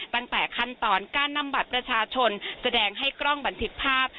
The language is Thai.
ตั้งแต่ขั้นตอนการนำบัตรประชาชนแสดงให้กล้องบันทึกภาพ